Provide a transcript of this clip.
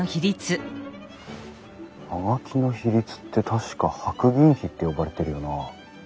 葉書の比率って確か白銀比って呼ばれてるよなあ。